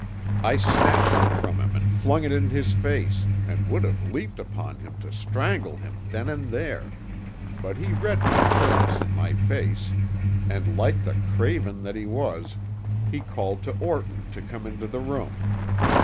I snatched it from him and flung it in his face, and would have leaped upon him to strangle him then and there, but he read my purpose in my face, and like the craven that he was, he called to Orton to come into the room.